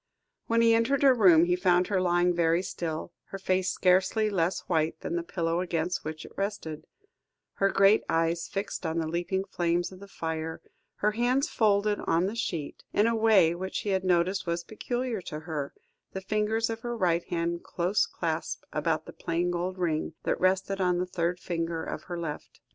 When he entered her room, he found her lying very still, her face scarcely less white than the pillow against which it rested, her great eyes fixed on the leaping flames of the fire, her hands folded on the sheet, in a way which he had noticed was peculiar to her, the fingers of her right hand close clasped about the plain gold ring, that rested on the third finger of her left.